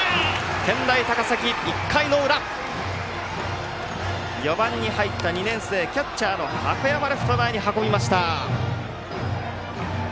健大高崎、１回の裏４番に入った２年生キャッチャーの箱山レフトに運びました！